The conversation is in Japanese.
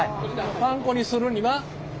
パン粉にするには。